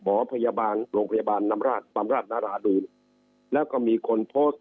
หมอพยาบาลโรงพยาบาลนำราชบำราชนาราดูนแล้วก็มีคนโพสต์